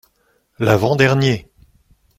L’avant-dernier.